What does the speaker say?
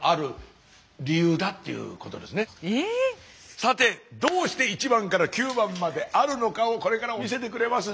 さてどうして１番から９番まであるのかをこれから教えてくれます。